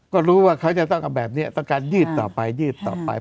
ก็รู้ว่าเขาจะต้องเอาแบบนี้ต้องการยืดต่อไปยืดต่อไป